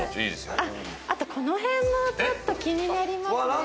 あっあとこのへんもちょっと気になりますね。